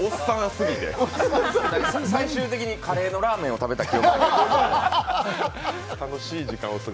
最終的にカレーとラーメンを食べた記憶があります。